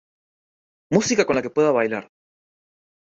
Música con la que pueda bailar.